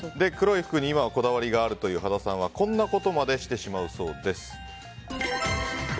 黒い服に今はこだわりがあるという羽田さんは、こんなことまでしてしまうそうです。